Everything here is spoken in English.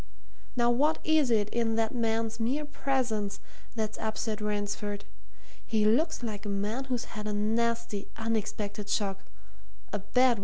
"Now what is it in that man's mere presence that's upset Ransford? He looks like a man who's had a nasty, unexpected shock a bad 'un!"